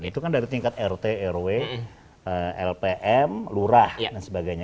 itu kan dari tingkat rt rw lpm lurah dan sebagainya